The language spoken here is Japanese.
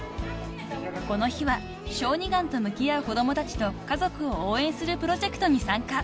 ［この日は小児がんと向き合う子供たちと家族を応援するプロジェクトに参加］